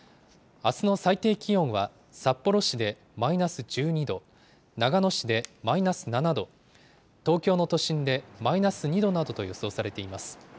あすの最低気温は、札幌市でマイナス１２度、長野市でマイナス７度、東京の都心でマイナス２度などと予想されています。